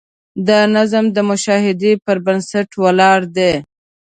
دا نظم د مشاهدې پر بنسټ ولاړ دی.